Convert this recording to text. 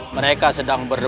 mereka telah nagel